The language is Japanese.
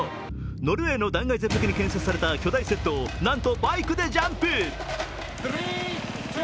ノルウェーの断崖絶壁に建設された巨大セットをなんとバイクでジャンプ。